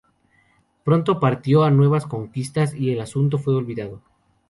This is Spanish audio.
Pronto partió a nuevas conquistas y el asunto fue olvidado.